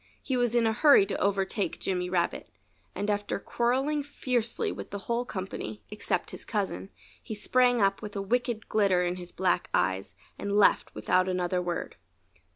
He was in a hurry to overtake Jimmy Rabbit. And after quarreling fiercely with the whole company except his cousin he sprang up with a wicked glitter in his black eyes and left without another word.